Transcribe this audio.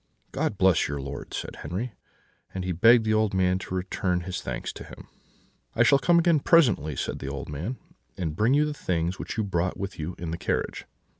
"'God bless your lord,' said Henri; and he begged the old man to return his thanks to him. "'I shall come again presently,' said the old man, 'and bring you the things which you brought with you in the carriage.'